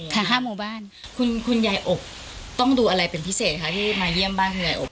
ค่ะห้าหมู่บ้านคุณคุณยายอบต้องดูอะไรเป็นพิเศษคะที่มาเยี่ยมบ้านเงยอบ